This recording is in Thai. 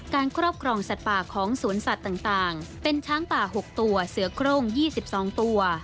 ครอบครองสัตว์ป่าของสวนสัตว์ต่างเป็นช้างป่า๖ตัวเสือโครง๒๒ตัว